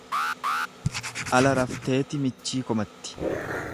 Ala rafteeti michii komatti.